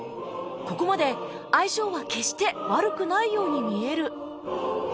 ここまで相性は決して悪くないように見える